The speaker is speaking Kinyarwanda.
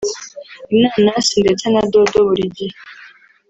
inanasi ndetse na dodo buri gihe